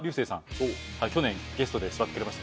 去年ゲストで座ってくれました